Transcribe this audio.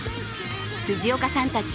辻岡さんたち